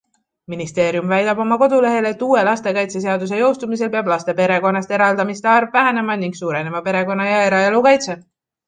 Ministeerium väidab oma kodulehel, et uue lastekaitseseaduse jõustumisel peab laste perekonnast eraldamiste arv vähenema ning suurenema perekonna ja eraelu kaitse.